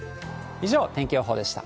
以上、天気予報でした。